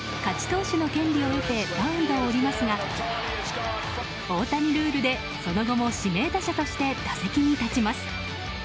投手の権利を得てマウンドを降りますが大谷ルールでその後も指名打者として打席に立ちます。